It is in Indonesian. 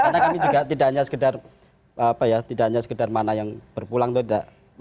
karena kami juga tidak hanya sekedar apa ya tidak hanya sekedar mana yang berpulang itu tidak